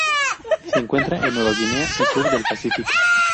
Se encuentra en Nueva Guinea y sur del Pacífico.